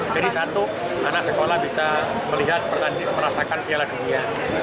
jadi satu anak sekolah bisa melihat merasakan piala dunia